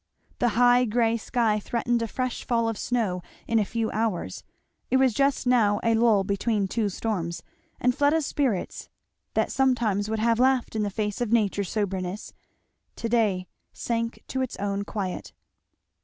The high grey sky threatened a fresh fall of snow in a few hours; it was just now a lull between two storms; and Fleda's spirits, that sometimes would have laughed in the face of nature's soberness, to day sank to its own quiet.